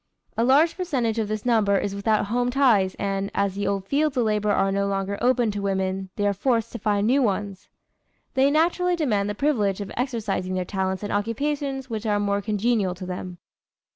A large percentage of this number is without home ties and, as the old fields of labor are no longer open to women, they are forced to find new ones. They naturally demand the privilege of exercising their talents in occupations which are most congenial to them.